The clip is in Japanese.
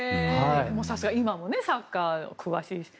さすが、今もサッカーに詳しいですし。